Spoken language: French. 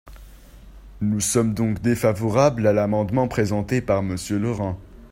Nous sommes donc défavorables à l’amendement présenté par Monsieur Laurent.